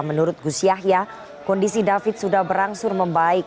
menurut gus yahya kondisi david sudah berangsur membaik